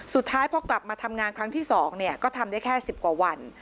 สุดท้ายพอกลับมาทำงานครั้งที่๒ก็ทำได้แค่๑๐กว่าวัน